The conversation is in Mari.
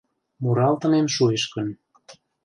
Муралтымем шуэш гын